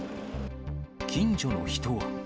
近所の人は。